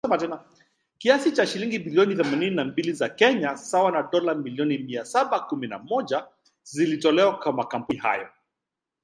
Kiasi cha shilingi bilioni themanini na mbili za Kenya sawa na dola milioni mia saba kumi na moja zilitolewa kwa makampuni hayo Jumatatu kulipa sehemu ya deni hilo